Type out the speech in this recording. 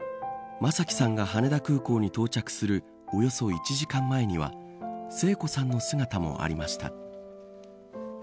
正輝さんが羽田空港に到着するおよそ１時間前には聖子さんの姿もありました。